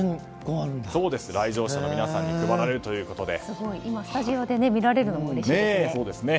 来場者の皆さんに配られるということでスタジオで見られるのは珍しいですね。